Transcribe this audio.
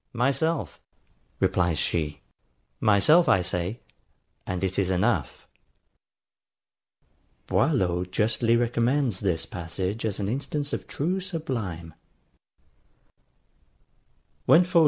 MYSELF, replies she; MYSELF I SAY, AND IT IS ENOUGH. Boileau justly recommends this passage as an instance of true sublime [Footnote: Reflexion 10 sur Longin.].